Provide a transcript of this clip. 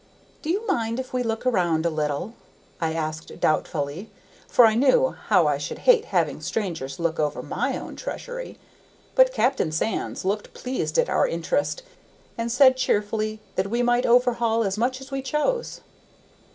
"Do you mind if we look round a little?" I asked doubtfully, for I knew how I should hate having strangers look over my own treasury. But Captain Sands looked pleased at our interest, and said cheerfully that we might overhaul as much as we chose.